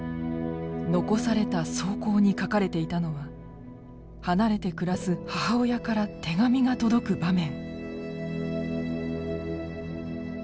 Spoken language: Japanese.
残された草稿に書かれていたのは離れて暮らす母親から手紙が届く場面。